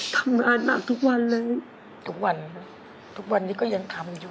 ทำงานหนักทุกวันเลยทุกวันทุกวันนี้ก็ยังทำอยู่